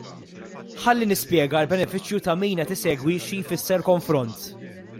Ħalli nispjega għall-benefiċċju ta' min qed isegwi xi jfisser konfront.